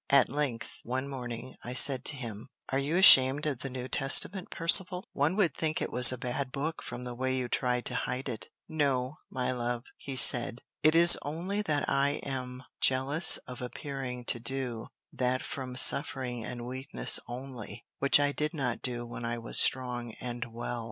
At length, one morning, I said to him, "Are you ashamed of the New Testament, Percivale? One would think it was a bad book from the way you try to hide it." "No, my love," he said: "it is only that I am jealous of appearing to do that from suffering and weakness only, which I did not do when I was strong and well.